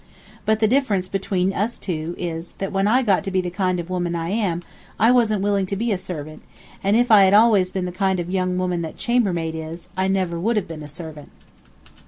But the difference between us two is that when I got to be the kind of woman I am I wasn't willing to be a servant, and if I had always been the kind of young woman that chambermaid is I never would have been a servant.